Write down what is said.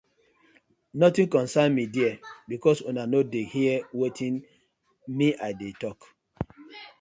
Notin concern mi there because una no dey hear wetin me I dey tok.